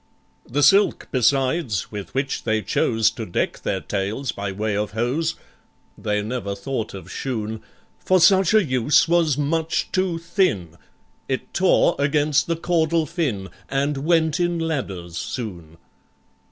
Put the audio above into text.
The silk, besides, with which they chose To deck their tails by way of hose (They never thought of shoon), For such a use was much too thin,— It tore against the caudal fin, And "went in ladders" soon.